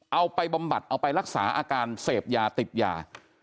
บำบัดเอาไปรักษาอาการเสพยาติดยา